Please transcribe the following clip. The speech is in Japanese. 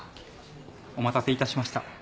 お待たせいたしました。